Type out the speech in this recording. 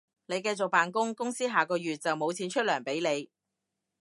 你繼續扮工，公司下個月就無錢出糧畀你